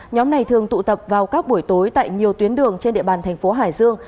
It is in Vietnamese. nhóm này thường tụ tập vào các buổi tối tại nhiều tuyến đường trên địa bàn thành phố hải dương